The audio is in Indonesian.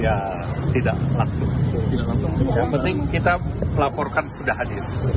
ya tidak langsung yang penting kita melaporkan sudah hadir